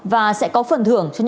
và sẽ có phần thưởng cho nhân dân